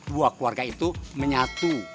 dua keluarga itu menyatu